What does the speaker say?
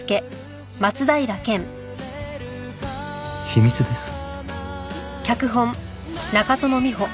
秘密です。